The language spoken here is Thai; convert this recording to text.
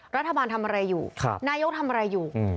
รัฐบาลทำอะไรอยู่นายกทำอะไรอยู่